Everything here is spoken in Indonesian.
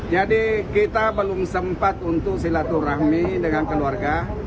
jadi kita belum sempat untuk silaturahmi dengan keluarga